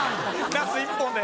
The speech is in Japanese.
ナス１本で。